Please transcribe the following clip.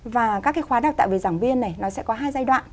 và các cái khóa đào tạo về giảng viên này nó sẽ có hai giai đoạn